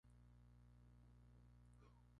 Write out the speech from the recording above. Pertenece al club Instituto Rosell.